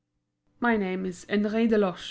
"My name is Henri Deloche."